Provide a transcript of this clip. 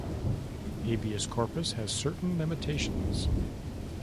"Habeas corpus" has certain limitations.